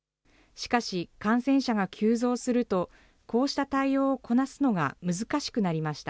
しかし感染者が急増すると、こうした対応をこなすのが難しくなりました。